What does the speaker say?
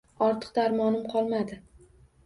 Ortiq darmonim qolmadi.